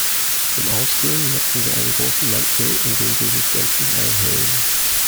Zum Ausgehen nutzen sie einen großen Mantel, in den sie sich gänzlich einhüllen.